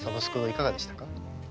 いかがでしたか？